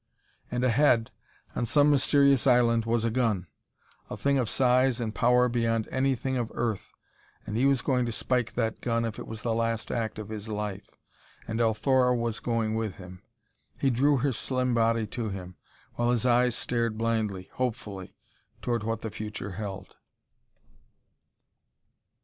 And ahead on some mysterious island was a gun, a thing of size and power beyond anything of Earth. He was going to spike that gun if it was the last act of his life; and Althora was going with him. He drew her slim body to him, while his eyes stared blindly, hopefully, toward what the future held.